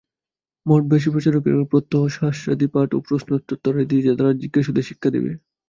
মঠবাসী প্রচারকেরা প্রত্যহ শাস্ত্রাদিপাঠ ও প্রশ্নোত্তরাদি দ্বারা জিজ্ঞাসুদের শিক্ষা দিবে।